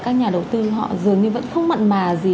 các nhà đầu tư họ dường như vẫn không mặn mà gì